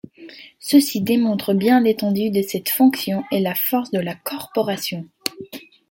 Ceci démontre bien l’étendue de cette fonction et la force de la corporation.